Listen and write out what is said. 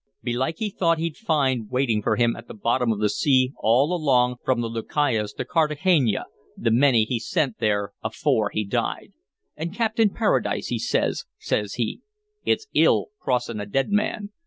Belike he thought he'd find waiting for him at the bottom of the sea, all along from the Lucayas to Cartagena, the many he sent there afore he died. And Captain Paradise, he says, says he: 'It's ill crossing a dead man.